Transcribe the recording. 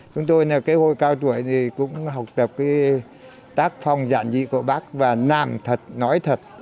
chúng tôi là cái hội cao tuổi thì cũng học tập cái tác phong giản dị của bác và làm thật nói thật